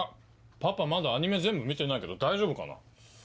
パパまだアニメ全部見てないけど大丈夫かな？